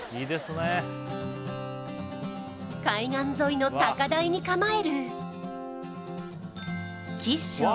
海岸沿いの高台に構える吉祥